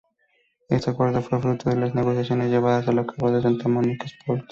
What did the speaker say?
Este acuerdo fue fruto de las negociaciones llevadas a cabo por Santa Mónica Sports.